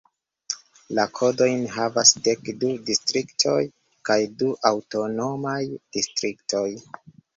La kodojn havas dek du distriktoj kaj du aŭtonomaj distriktoj.